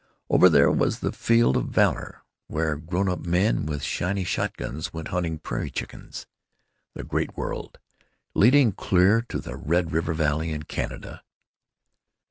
Over there was the field of valor, where grown up men with shiny shotguns went hunting prairie chickens; the Great World, leading clear to the Red River Valley and Canada.